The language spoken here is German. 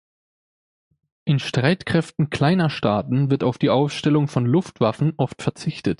In Streitkräften kleiner Staaten wird auf die Aufstellung von Luftwaffen oft verzichtet.